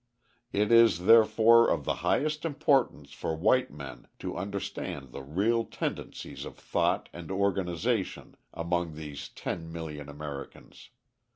It is, therefore, of the highest importance for white men to understand the real tendencies of thought and organisation among these ten million Americans.